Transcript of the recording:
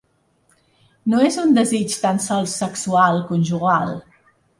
No és un desig tan sols sexual, conjugal.